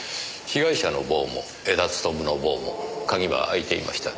被害者の房も江田勉の房も鍵は開いていました。